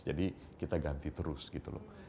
jadi kita ganti terus gitu loh